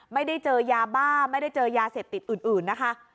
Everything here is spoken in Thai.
ไม่ได้เจอยาบ้าไม่ได้เจอยาเสพติดอื่นนะคะ